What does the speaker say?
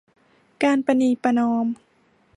การประนีประนอม